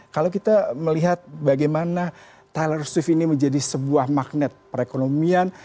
kalau kita melihat bagaimana taylor shift ini menjadi sebuah magnet perekonomian